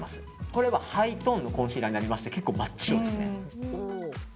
これはハイトーンのコンシーラーになりまして結構真っ白ですね。